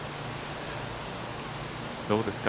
どうですか？